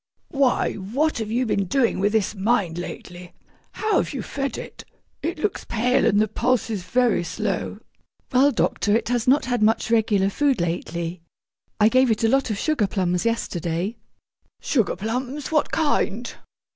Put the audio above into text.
'Why, what have you been doing with this mind lately? How have you fed it? It looks pale, and the pulse is very slow.' 'Well, doctor, it has not had much regular food lately. I gave it a lot of sugar plums yesterday.' 'Sugar plums! What kind?'